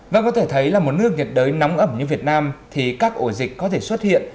và có thể thấy là một nước nhiệt đới nóng ẩm như việt nam thì các ổ dịch có thể xuất hiện